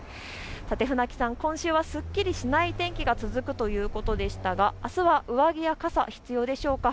船木さん、今週はすっきりしない天気が続くということでしたがあすは上着や傘、必要でしょうか。